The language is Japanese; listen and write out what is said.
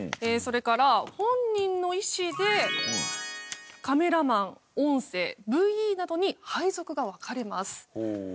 それから本人の意思でカメラマン音声ＶＥなどに配属が分かれます。